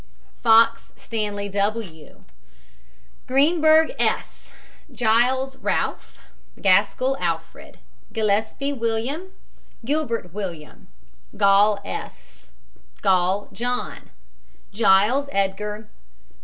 FOX, STANLEY W. GREENBERG, S. GILES, RALPH. GASKELL, ALFRED. GILLESPIE, WILLIAM. GILBERT, WILLIAM. GALL, S. GILL, JOHN. GILES, EDGAR.